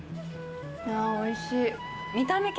あおいしい。